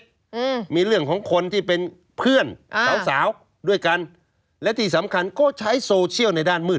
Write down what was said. อืมมีเรื่องของคนที่เป็นเพื่อนอ่าสาวสาวด้วยกันและที่สำคัญก็ใช้โซเชียลในด้านมืด